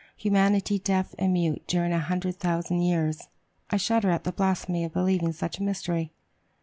Humanity deaf and mute during a hundred thousand years! I shudder at the blasphemy of believing such a mystery.